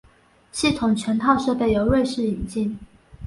系统全套设备由瑞士引进。